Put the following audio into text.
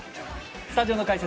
スタジオの解説